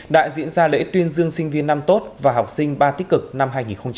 đã diễn ra lễ tuyên dương sinh viên năm tốt và học sinh ba tích cực năm hai nghìn hai mươi